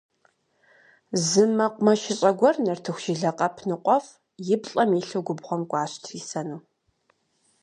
Зы мэкъумэшыщӀэ гуэр нартыху жылэ къэп ныкъуэфӀ и плӀэм илъу губгъуэм кӀуащ трисэну.